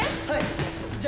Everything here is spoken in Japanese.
はい。